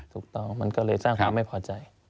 ถูกต้องมันก็เลยสร้างความไม่พอใจ